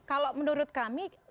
kalau menurut kami